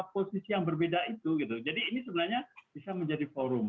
posisi yang berbeda itu gitu jadi ini sebenarnya bisa menjadi forum